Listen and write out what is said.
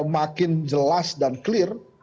makin jelas dan clear